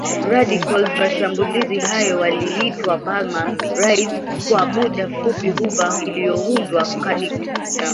radicals mashambulizi hayo waliitwa Palmer Raids Kwa muda mfupi Hoover iliyoundwa kadi namba mia